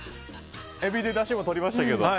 エビでだしをとりましたけど。